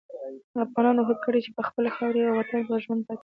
افغانانو هوډ کړی چې خپلې خاورې او وطن ته به ژمن پاتې کېږي.